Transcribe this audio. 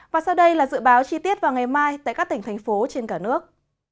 và sau đây là dự báo chi tiết vào ngày mai tại các tỉnh thành phố trên cả nước